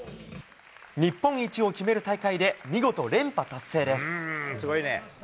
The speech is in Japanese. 日本一を決める大会で見事連覇達成です。